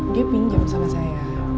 dia pinjam sama saya